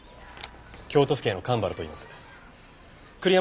京都府警の蒲原といいます。